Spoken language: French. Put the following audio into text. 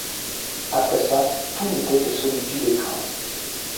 Après ça, tout n'était que solitude et crainte.